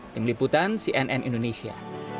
tim liputan cnn indonesia